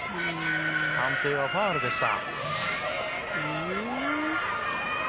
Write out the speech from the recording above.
判定はファウルでした。